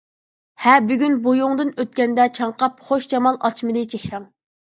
ھە بۈگۈن بويۇڭدىن ئۆتكەندە چاڭقاپ، خۇش جامال ئاچمىدى چېھرىڭ.